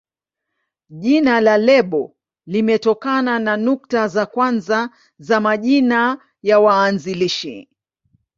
Jina la lebo limetokana na nukta za kwanza za majina ya waanzilishi.